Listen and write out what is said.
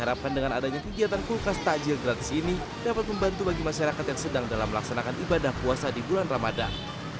harapkan dengan adanya kegiatan kulkas takjil gratis ini dapat membantu bagi masyarakat yang sedang dalam melaksanakan ibadah puasa di bulan ramadan